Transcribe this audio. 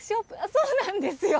そうなんですよ。